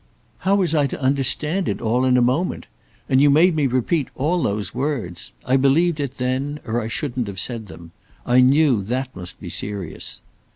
"How was I to understand it all in a moment? And you made me repeat all those words. I believed it then, or I shouldn't have said them. I knew that must be serious."